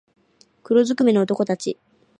黒づくめの男たち